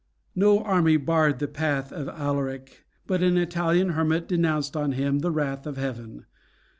No army barred the path of Alaric, but an Italian hermit denounced on him the wrath of heaven.